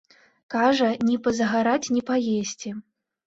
Кажа, ні пазагараць, ні паесці.